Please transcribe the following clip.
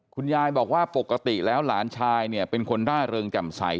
คุณยายบอกว่าปกติแล้วหลานชายเนี่ยเป็นคนร่าเริงแจ่มใส